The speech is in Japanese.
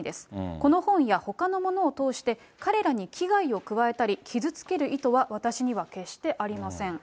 この本やほかのものを通して、彼らに危害を加えたり、傷つける意図は私には決してありません。